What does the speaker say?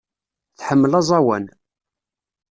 Tḥemmel aẓawan.